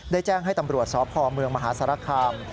ได้แจ้งให้ตำรวจสอบพอร์เมืองมหาสารคาม